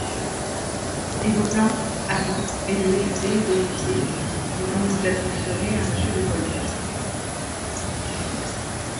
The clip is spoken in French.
Et vos plans, à vous, exécutés, vérifiés, vous vous adresserez à M. de Colbert.